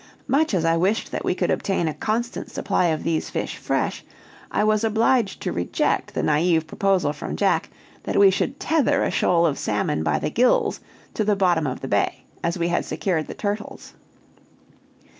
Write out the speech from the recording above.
Much as I wished that we could obtain a constant supply of these fish fresh, I was obliged to reject the naïve proposal from Jack, that we should tether a shoal of salmon by the gills to the bottom of the bay as we had secured the turtles.